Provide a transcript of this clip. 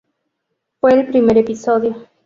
Fue el primer episodio.